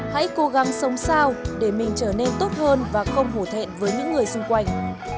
hãy cố gắng sống sao để mình trở nên tốt hơn và không hổ thẹn với những người xung quanh